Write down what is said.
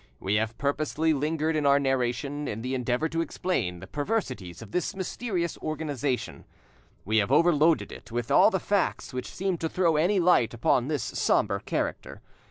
We have purposely lingered in our narration in the endeavour to explain the perversities of this mysterious organisation; we have over loaded it with all the facts which seem to throw any light upon this sombre character.